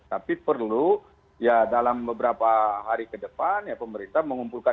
tapi perlu ya dalam beberapa hari ke depan ya pemerintah mengumpulkan